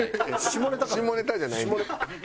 下ネタじゃないねん。